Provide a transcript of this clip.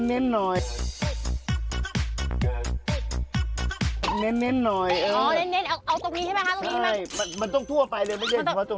แล้วก็ให้เราเคล็ดประตูบ้าหรือเปล่า